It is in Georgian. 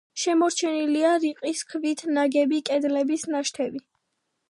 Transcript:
შემორჩენილია რიყის ქვით ნაგები კედლების ნაშთები.